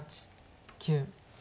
９。